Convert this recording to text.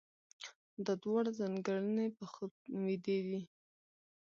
دا دواړه ځانګړنې په خوب ويدې وي.